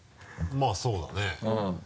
まぁそうだね。